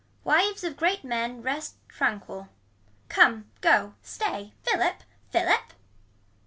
Wives of great men rest tranquil. Come go stay philip philip.